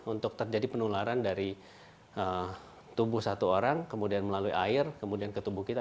untuk terjadi penularan dari tubuh satu orang kemudian melalui air kemudian ke tubuh kita